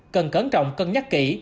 cần cấn trọng cân nhắc kỹ